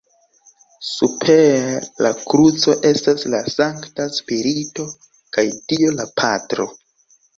Super la kruco estas la Sankta Spirito kaj dio La Patro.